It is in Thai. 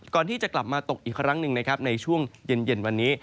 ก่อนที่จะกลับมาตกอีกครั้งหนึ่งนะครับในช่วงเย็นวันนี้